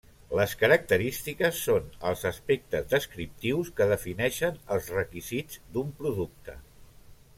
Les característiques són els aspectes descriptius que defineixen els requisits d’un producte.